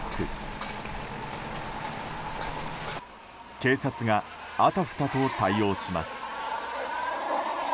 警察があたふたと対応します。